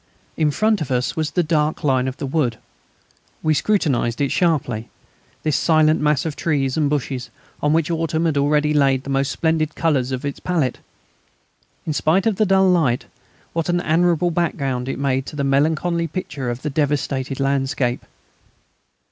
In front of us was the dark line of the wood. We scrutinised it sharply, this silent mass of trees and bushes on which autumn had already laid the most splendid colours of its palette. In spite of the dull light, what an admirable background it made to the melancholy picture of the devastated landscape!